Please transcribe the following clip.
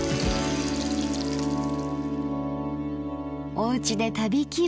おうちで旅気分。